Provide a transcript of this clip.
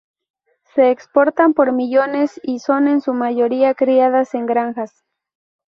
Se exportan por millones, y son en su mayoría criadas en granjas.